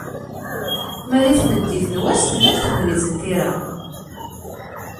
Ma di tmeddit n wass, tella-d tegnit n tira.